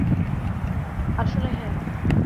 আসলে, হ্যাঁ।